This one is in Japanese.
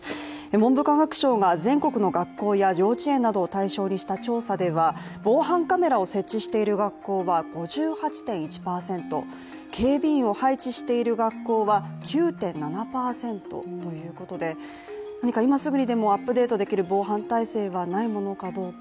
文部科学省が全国の学校や幼稚園などを対象にした調査では防犯カメラを設置している学校は５８．１％、警備員を配置している学校は９．７％ということで、何か今すぐにでもアップデートできる防犯体制はないものかどうか。